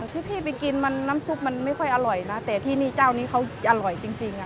ที่พี่ไปกินมันน้ำซุปมันไม่ค่อยอร่อยนะแต่ที่นี่เจ้านี้เขาอร่อยจริง